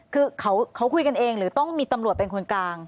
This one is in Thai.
คือเขาคุยกันเองหรือต้องมีตำรวจเป็นคนกลาง